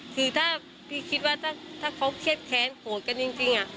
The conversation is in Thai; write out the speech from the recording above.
คือถ้าพี่คิดว่าถ้าเขาเคล็ดแขนโหดกันจริงอ่ะ